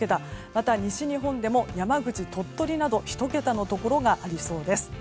また、西日本でも山口、鳥取など１桁のところがありそうです。